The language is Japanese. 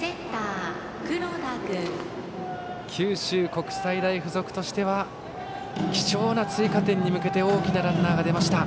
九州国際大付属としては貴重な追加点に向けて大きなランナーが出ました。